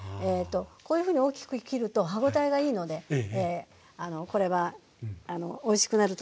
こういうふうに大きく切ると歯応えがいいのでこれはおいしくなると思いますよ。